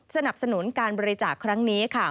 สนับสนุนการบริจาคครั้งนี้